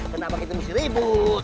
kenapa kita mesti ribut